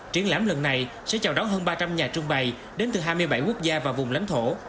triển lãm lần này sẽ chào đón hơn ba trăm linh nhà trung bày đến từ hai mươi bảy quốc gia và vùng lãnh thổ